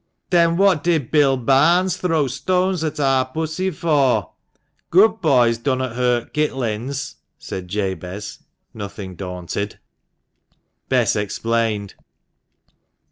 " Then what did Bill Barnes throw stones at ar pussy for ? Good boys dunnot hurt kittlins," said Jabez, nothing daunted. Bess explained.